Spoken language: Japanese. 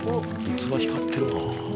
器光ってるな。